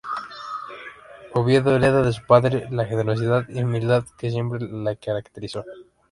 Oviedo hereda de su padre la generosidad y humildad que siempre le caracterizó.